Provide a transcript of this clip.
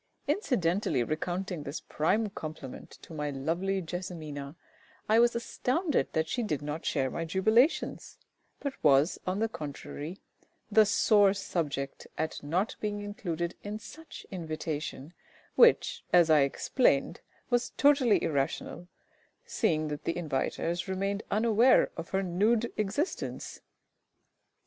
Incidentally recounting this prime compliment to my lovely JESSIMINA, I was astounded that she did not share my jubilations, but was, on the contrary, the sore subject at not being included in such invitation, which, as I explained, was totally irrational, seeing that the inviters remained unaware of her nude existence.